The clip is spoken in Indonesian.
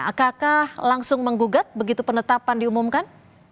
apakah langsung menggugat begitu penetapan diumumkan